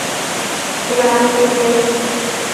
Kpla kpete.